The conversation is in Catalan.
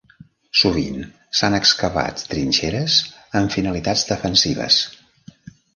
Sovint s'han excavat trinxeres amb finalitats defensives.